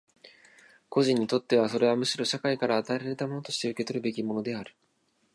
個人にとってはそれはむしろ社会から与えられたものとして受取らるべきものである。